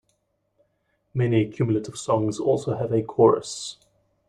Many cumulative songs also have a chorus.